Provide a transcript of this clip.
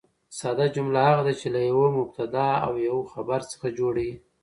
ساده جمله هغه ده، چي له یوه مبتداء او یوه خبر څخه جوړه يي.